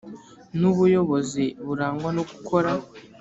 n ubuyobozi burangwa no gukora